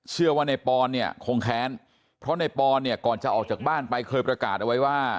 เชื่อว่าในปอนเนี่ยคงแค้นเพราะในปอนเนี่ยก่อนจะออกจากบ้านไปเคยประกาศเอาไว้ว่า